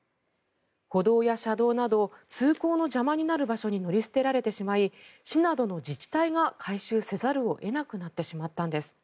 歩道や車道など通行の邪魔になる場所に乗り捨てられてしまい市などの自治体が回収せざるを得なくなってしまったんです。